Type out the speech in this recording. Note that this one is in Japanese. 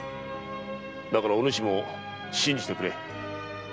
だからお主も信じてくれ。